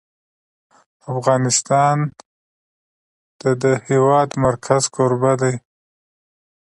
افغانستان د د هېواد مرکز کوربه دی.